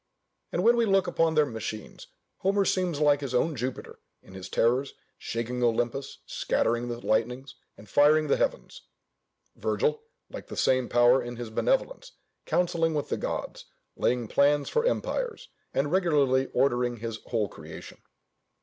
And when we look upon their machines, Homer seems like his own Jupiter in his terrors, shaking Olympus, scattering the lightnings, and firing the heavens: Virgil, like the same power in his benevolence, counselling with the gods, laying plans for empires, and regularly ordering his whole creation.